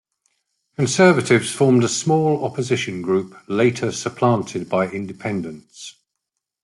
Conservatives formed a small opposition group, later supplanted by Independents.